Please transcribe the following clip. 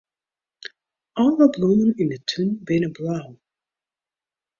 Alle blommen yn 'e tún binne blau.